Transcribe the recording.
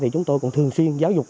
chúng tôi cũng thường xuyên giáo dục